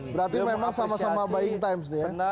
berarti memang sama sama buying time